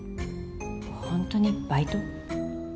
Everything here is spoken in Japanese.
本当にバイト？